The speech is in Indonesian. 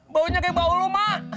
baunya kayak baulu ma